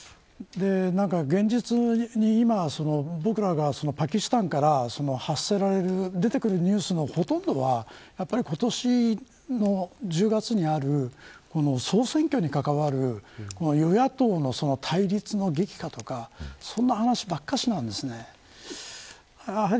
現実に今、僕らがパキスタンから出てくるニュースのほとんどは今年の１０月にある総選挙に関わる与野党の対立の激化とかそんな話ばかりなんです。